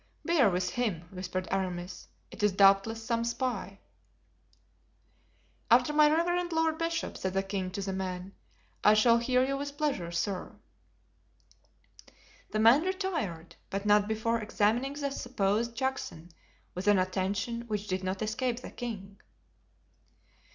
"Bear with him," whispered Aramis; "it is doubtless some spy." "After my reverend lord bishop," said the king to the man, "I shall hear you with pleasure, sir." The man retired, but not before examining the supposed Juxon with an attention which did not escape the king.